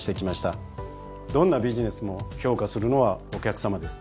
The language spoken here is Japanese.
どんなビジネスも評価するのはお客さまです。